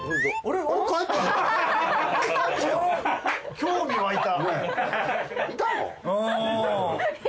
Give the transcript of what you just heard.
興味わいた！